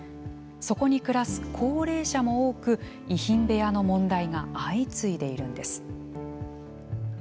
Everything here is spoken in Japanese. そこに暮らす高齢者も多く遺品部屋の問題が相次いでいるんです。